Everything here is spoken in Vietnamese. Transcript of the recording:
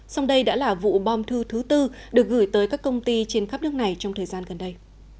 song đây đã là vụ bom thư thứ tư được gửi tới các công ty trên khắp nước này trong thời gian gần đây